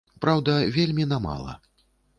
Праўда, вельмі на мала.